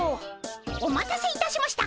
お待たせいたしました。